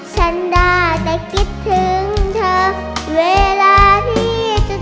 ฉันได้แต่คิดถึงเธอเวลาที่จะ